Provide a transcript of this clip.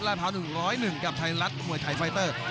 พร้าว๑๐๑กับไทยรัฐมวยไทยไฟเตอร์